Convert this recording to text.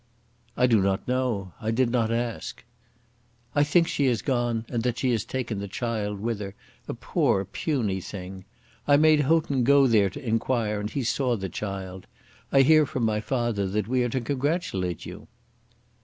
"I do not know. I did not ask." "I think she has gone, and that she has taken the child with her; a poor puny thing. I made Houghton go there to enquire, and he saw the child. I hear from my father that we are to congratulate you."